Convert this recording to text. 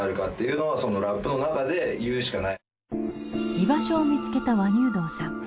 居場所を見つけた輪入道さん。